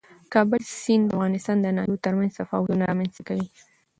د کابل سیند د افغانستان د ناحیو ترمنځ تفاوتونه رامنځته کوي.